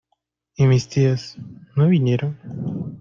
¿Y mis tías? no vinieron.